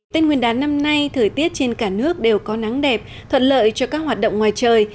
tên nguyên đán năm nay thời tiết trên cả nước đều có nắng đẹp thuận lợi cho các hoạt động ngoài trời